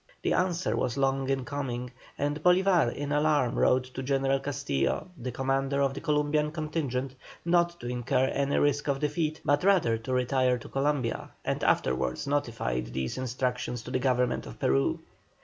The answer was long in coming, and Bolívar in alarm wrote to General Castillo, the commander of the Columbian contingent, not to incur any risk of defeat, but rather to retire on Columbia, and afterwards notified these instructions to the Government of Peru.